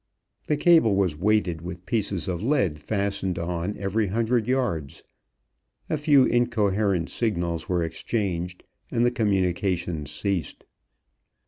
The cable was weighted with pieces of lead fastened on every hundred yards. A few incoherent signals were exchanged and the communication ceased.